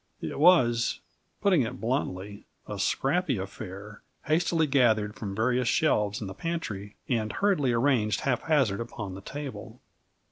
It was, putting it bluntly, a scrappy affair hastily gathered from various shelves in the pantry and hurriedly arranged haphazard upon the table.